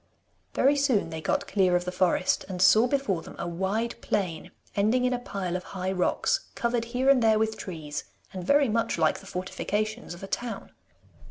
Very soon they got clear of the forest, and saw before them a wide plain ending in a pile of high rocks, covered here and there with trees, and very much like the fortifications of a town.